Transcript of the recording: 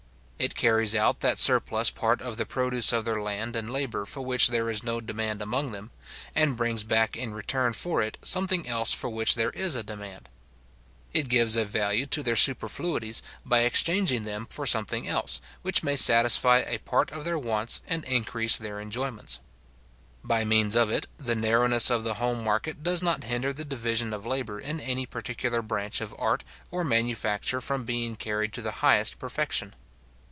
It carries out that surplus part of the produce of their land and labour for which there is no demand among them, and brings back in return for it something else for which there is a demand. It gives a value to their superfluities, by exchanging them for something else, which may satisfy a part of their wants and increase their enjoyments. By means of it, the narrowness of the home market does not hinder the division of labour in any particular branch of art or manufacture from being carried to the highest perfection.